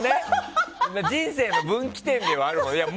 人生の分岐点ではあるのね。